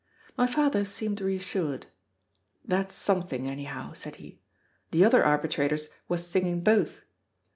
My father seemed reassured. "That's something, anyhow," said he. "The other Arbitrators was singin' both.